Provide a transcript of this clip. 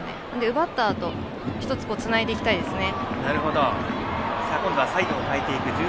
奪ったあと１つ、つないでいきたいですね。